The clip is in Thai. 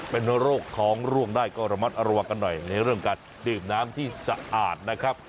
เป็นโรคท้องร่วงได้ก็ระมัดระวังกันหน่อยในเรื่องการดื่มน้ำที่สะอาดนะครับ